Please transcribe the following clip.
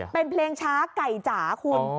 เป็นเพลงช้าไก่จ๋าคุณ